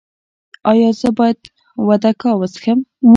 ایا زه باید وودکا وڅښم؟